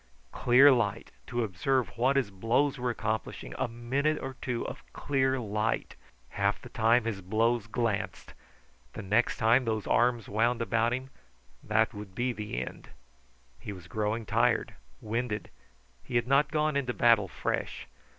Clear light, to observe what his blows were accomplishing; a minute or two of clear light! Half the time his blows glanced. The next time those arms wound about him, that would be the end. He was growing tired, winded; he had not gone into battle fresh.